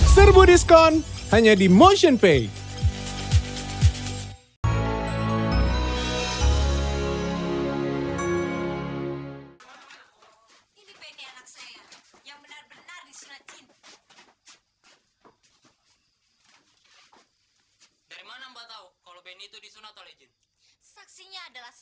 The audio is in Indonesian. serbu diskon hanya di motionpay